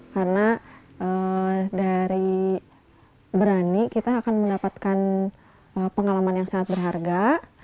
karena dari berani kita akan mendapatkan pengalaman yang sangat berharga